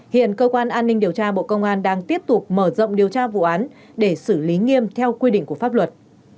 hiện cơ quan an ninh điều tra bộ công an đang tiếp tục mở rộng điều tra vụ án để xử lý nghiêm theo quy định của pháp luật